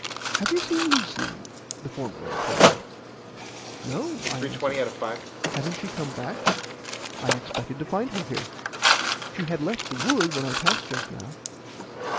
"Have you seen Lucy?" the former inquired. "No," I answered. "Hasn't she come back? I expected to find her here. She had left the wood when I passed just now."